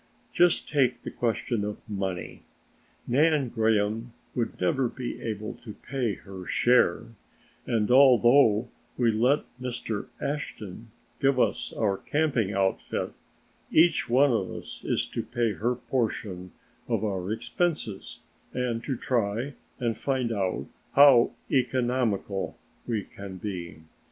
Just take the question of the money; Nan Graham would never be able to pay her share, and although we let Mr. Ashton give us our camping outfit, each one of us is to pay her portion of our expenses and to try and find out how economical we can be.